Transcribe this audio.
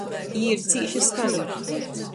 Jī ir cīši skali.